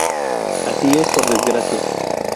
Así es por desgracia.